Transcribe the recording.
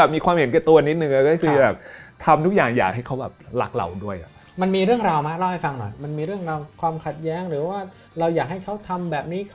มันมีเรื่องราวไหม